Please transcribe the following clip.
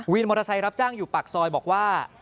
มอเตอร์ไซค์รับจ้างอยู่ปากซอยบอกว่า